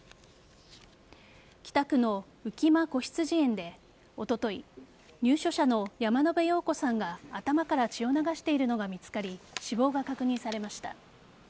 北区の浮間こひつじ園でおととい入所者の山野辺陽子さんが頭から血を流しているのが見つかり死亡が確認されました。